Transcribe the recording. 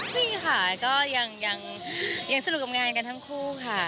นี่ค่ะก็ยังสนุกกับงานกันทั้งคู่ค่ะ